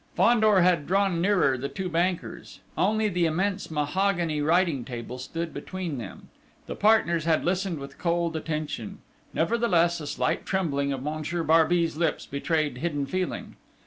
Fandor had drawn nearer the two bankers: only the immense mahogany writing table stood between them! The partners had listened with cold attention: nevertheless, a slight trembling of Monsieur Barbey's lips betrayed hidden feeling.